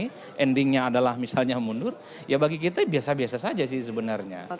jadi endingnya adalah misalnya mundur ya bagi kita biasa biasa saja sih sebenarnya